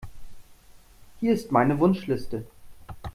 Hier ist meine Wunschliste.